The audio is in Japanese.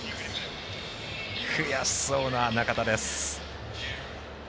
悔しそうな中田です。